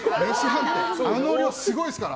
あの量、すごいですから。